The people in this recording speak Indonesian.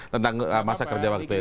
tentang masa kerja waktu ini